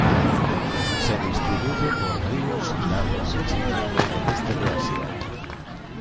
Se distribuye por ríos y lagos de China en el este de Asia.